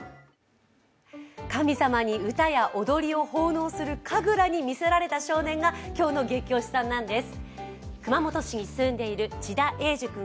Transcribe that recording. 神様に歌や踊りを奉納する神楽にみせられた少年が今日のゲキ推しさんなんです。